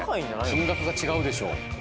金額が違うでしょ